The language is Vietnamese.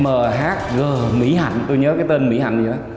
mh mỹ hạnh tôi nhớ cái tên mỹ hạnh gì đó